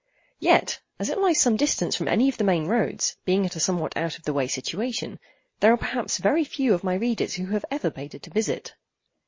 Yet as it lies some distance from any of the main roads, being in a somewhat out of the way situation, there are perhaps very few of my readers who have ever paid it a visit.